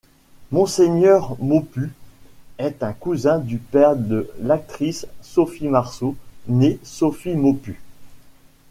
Monseigneur Maupu est un cousin du père de l'actrice Sophie Marceau, née Sophie Maupu.